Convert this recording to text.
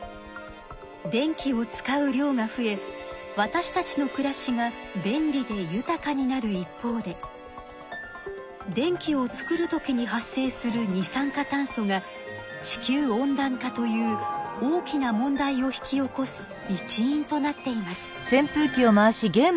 電気を使う量が増えわたしたちのくらしが便利で豊かになる一方で電気を作るときに発生する二酸化炭素が地球温暖化という大きな問題を引き起こす一因となっています。